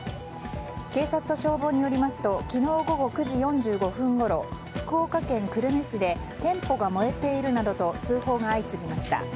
警察と消防によりますと昨日午後９時４５分ごろ福岡県久留米市で店舗が燃えているなどと通報が相次ぎました。